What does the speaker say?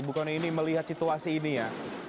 bukoni ini melihat situasi ini ya